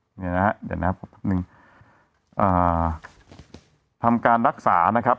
เดี๋ยวนะเดี๋ยวนะพอแป๊บนึงอ่าทำการรักษานะครับ